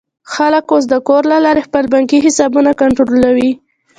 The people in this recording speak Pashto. خلک اوس د کور له لارې خپل بانکي حسابونه کنټرولوي.